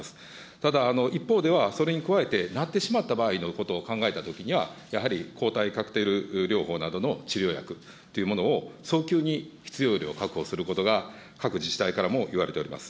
ただ一方では、それに加えてなってしまった場合のことを考えたときには、やはり抗体カクテル療法などの治療薬というものを早急に必要量を確保することが、各自治体からもいわれております。